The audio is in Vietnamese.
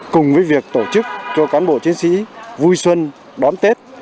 cùng với việc tổ chức cho cán bộ chiến sĩ vui xuân đón tết